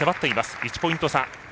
１ポイント差。